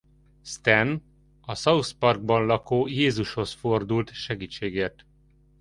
Stan a South Parkban lakó Jézushoz fordul segítségért.